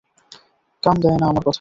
কান দেয় না আমার কথায়।